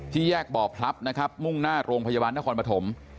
แยกบ่อพลับนะครับมุ่งหน้าโรงพยาบาลนครปฐม